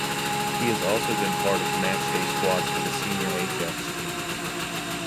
He has also been part of matchday squads for the senior Ajax team.